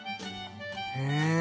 へえ。